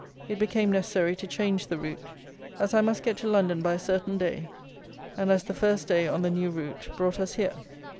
It became necessary to change the route, as I must get to London by a certain day; and as the first day, on the new route, brought us here.